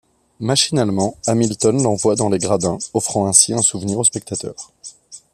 Machinalement, Hamilton l'envoie dans les gradins, offrant ainsi un souvenir aux spectateurs.